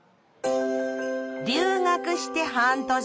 留学して半年。